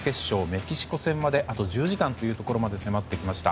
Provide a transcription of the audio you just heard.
メキシコ戦まであと１０時間というところまで迫ってきました。